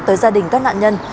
tới gia đình các nạn nhân